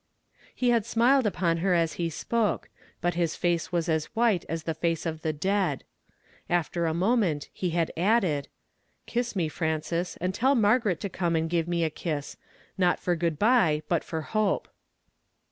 He had smiled upon her as he spoke, but his face was as white as the face of the dead. After a moment he had added, —" Kiss me, Frances, and tell Margaret to come and give me a kiss, not for good by, but for hope."